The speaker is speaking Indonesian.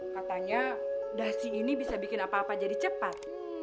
katanya dasi ini bisa bikin apa apa jadi cepat